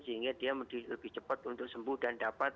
sehingga dia lebih cepat untuk sembuh dan dapat kembali ke rumah sakit